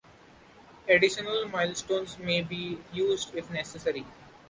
Additional milestones may be used if necessary.